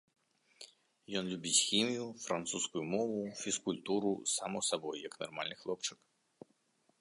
Ён любіць хімію, французскую мову, фізкультуру, само сабой, як нармальны хлопчык.